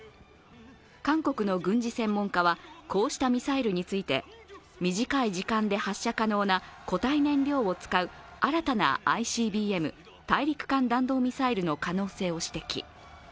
韓国の軍事専門家はこうしたミサイルについて、短い時間で発射可能な固体燃料を使う新たなＩＣＢＭ＝大陸間弾道ミサイルの可能性を指摘。